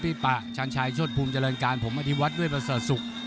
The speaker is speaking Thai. พี่ปะชันชายโชธภูมิเจริญการผมอธิวัติด้วยประสาทศุกร์